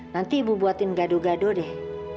nanti ibu buatin gado gado deh